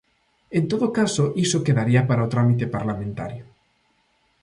En todo caso, iso quedaría para o trámite parlamentario.